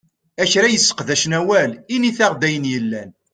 A kra yesseqdacen awal, init-aɣ-d ayen yellan!